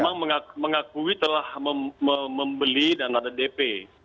memang mengakui telah membeli dan ada dp